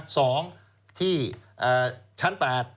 สองที่ชั้น๘